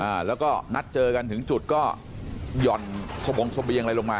อ่าแล้วก็นัดเจอกันถึงจุดก็หย่อนสบงเสบียงอะไรลงมา